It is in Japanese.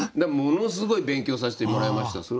ものすごい勉強させてもらいました。